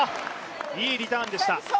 いいリターンでした。